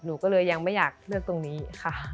หนูก็เลยยังไม่อยากเลือกตรงนี้ค่ะ